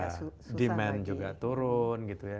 susah lagi demand juga turun gitu ya